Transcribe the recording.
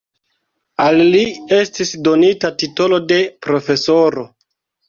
Al li estis donita titolo de profesoro.